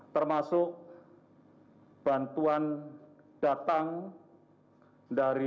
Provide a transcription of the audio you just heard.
termasuk bantuan datang dari